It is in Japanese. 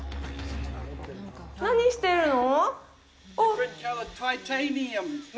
何してるの？